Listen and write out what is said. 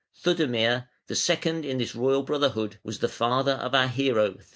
Theudemir, the second in this royal brotherhood, was the father of our hero, Theodoric.